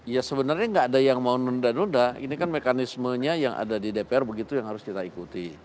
ya sebenarnya nggak ada yang mau nunda nunda ini kan mekanismenya yang ada di dpr begitu yang harus kita ikuti